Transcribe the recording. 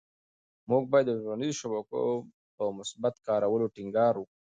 موږ باید د ټولنيزو شبکو په مثبت کارولو ټینګار وکړو.